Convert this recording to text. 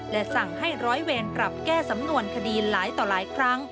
และสั่งให้ร้อยเวรปรับแก้สำนวนคดีหลายต่อหลายครั้ง